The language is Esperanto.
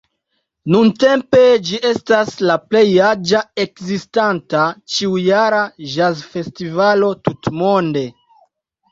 Nuntempe ĝi estas la plej aĝa ekzistanta, ĉiujara ĵazfestivalo tutmonde.